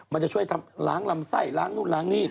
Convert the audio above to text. มันจะช่วยทำล้างลำไส้ล้างนู่นล้างนี่